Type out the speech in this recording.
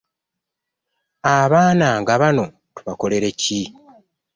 Abaana nga bano tubakolere ki?